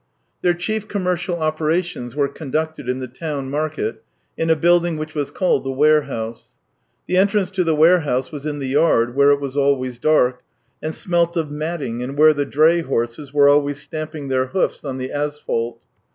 Their chief commercial operations were con ducted in the town market in a building which was called the warehouse. The entrance to the warehouse was in the yard, where it was always dark, and smelt of matting and where the dray horses were always stamping their hoofs on the asphalt.